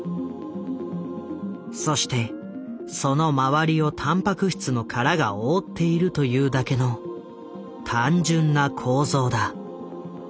そしてその周りをタンパク質の殻が覆っているというだけの単純な構造だ。